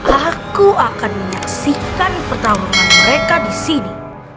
aku akan menyaksikan pertarungan mereka disini